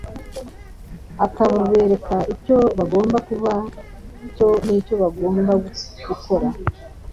akabereka icyo bagomba kuba cyo n’icyo bagomba gukora